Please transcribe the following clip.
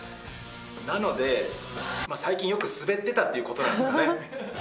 なので、最近よくすべってたっていうことですかね。